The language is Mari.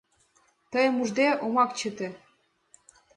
Тыйым ужде, омак чыте...